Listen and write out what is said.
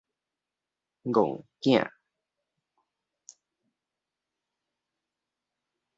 憨子